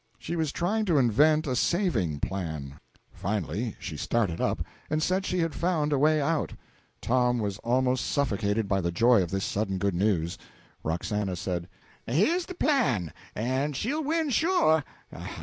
She was trying to invent a saving plan. Finally she started up, and said she had found a way out. Tom was almost suffocated by the joy of this sudden good news. Roxana said: "Here is de plan, en she'll win, sure.